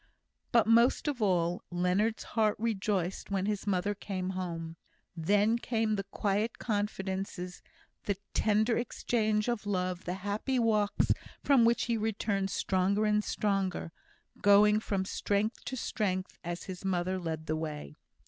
But, most of all, Leonard's heart rejoiced when his mother came home. Then came the quiet confidences, the tender exchange of love, the happy walks from which he returned stronger and stronger going from strength to strength as his mother led the way.